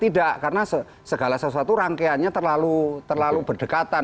tidak karena segala sesuatu rangkaiannya terlalu berdekatan